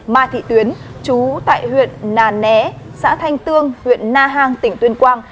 ma thị tuyến chú tại huyện nà né xã thanh tương huyện na hàng tỉnh tuyên quang